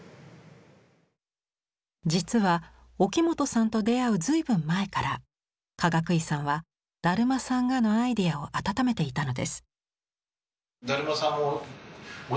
実は沖本さんと出会う随分前からかがくいさんは「だるまさんが」のアイデアを温めていたのです。